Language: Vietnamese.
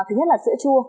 thứ nhất là sữa chua